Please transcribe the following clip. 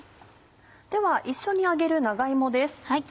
では一緒に揚げる長芋です。